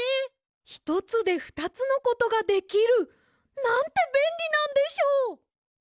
ひとつでふたつのことができる。なんてべんりなんでしょう！